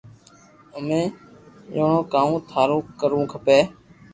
امي جوئو ڪاو ٿارو ڪروو کپي